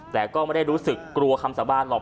แต่ก็ไม่ได้รู้สึกกลัวคำสาบานหรอก